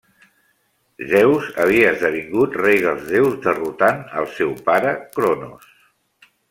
Zeus havia esdevingut rei dels déus derrotant el seu pare Cronos.